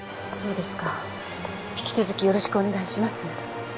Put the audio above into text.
そうですか引き続きよろしくお願いします。